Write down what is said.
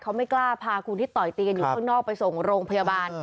เขาไม่กล้าพาคุณที่ต่อยตีกันอยู่ข้างนอกไปส่งโรงพยาบาล